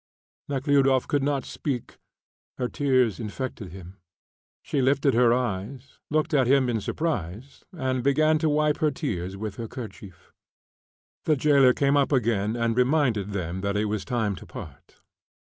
Nekhludoff could not speak; her tears infected him. She lifted her eyes, looked at him in surprise, and began to wipe her tears with her kerchief. The jailer came up again and reminded them that it was time to part.